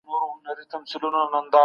ډیپلوماسي د تفاهم او انساني منطق لار ده.